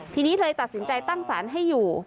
ทีนี้เลยตัดสินใจตั้งสารให้อยู่